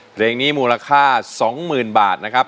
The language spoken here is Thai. เพลงนี้มูลค่า๒๐๐๐บาทนะครับ